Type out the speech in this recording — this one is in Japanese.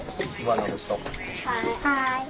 はい。